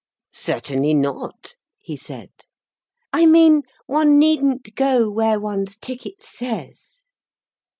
"Certainly not," he said. "I mean one needn't go where one's ticket says."